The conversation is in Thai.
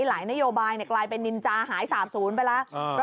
หลายนโยบายกลายเป็นนินจาหายสาบศูนย์ไปแล้ว